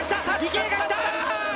池江がきた！